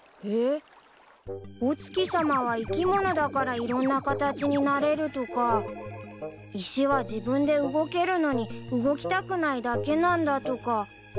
えっ？お月さまは生き物だからいろんな形になれるとか石は自分で動けるのに動きたくないだけなんだとか。